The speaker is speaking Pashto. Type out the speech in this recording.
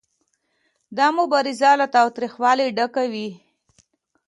دا مبارزه له تاوتریخوالي ډکه وي